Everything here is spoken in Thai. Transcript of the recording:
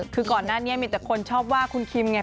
คือก่อนหน้านี้มีแต่คนชอบว่าคุณคิมไง